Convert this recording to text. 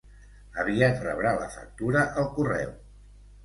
Aviat rebrà la factura al correu.